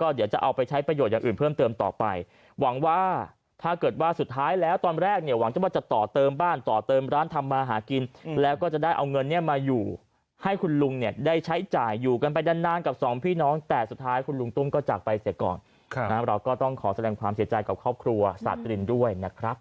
ก็เดี๋ยวจะเอาไปใช้ประโยชน์อย่างอื่นเพิ่มเติมต่อไปหวังว่าถ้าเกิดว่าสุดท้ายแล้วตอนแรกเนี่ยหวังจะว่าจะต่อเติมบ้านต่อเติมร้านทำมาหากินแล้วก็จะได้เอาเงินเนี่ยมาอยู่ให้คุณลุงเนี่ยได้ใช้จ่ายอยู่กันไปนานกับสองพี่น้องแต่สุดท้ายคุณลุงตุ้มก็จากไปเสียก่อนเราก็ต้องขอแสดงความเสียใจกับครอบครัวสากรินด้วยนะครับ